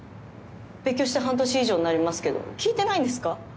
別居して半年以上になりますけど聞いてないんですか？